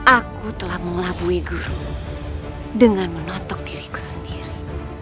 aku telah mengelabui guru dengan menotok diriku sendiri